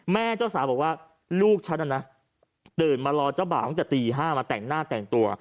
เจ้าสาวบอกว่าลูกฉันน่ะนะตื่นมารอเจ้าบ่าวตั้งแต่ตี๕มาแต่งหน้าแต่งตัว